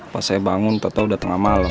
pas saya bangun tau tau udah tengah malam